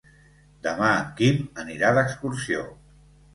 Demà en Quim anirà d'excursió.